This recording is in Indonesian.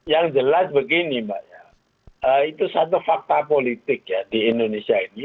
yang jelas begini mbak ya itu satu fakta politik ya di indonesia ini